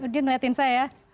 dia melihat saya ya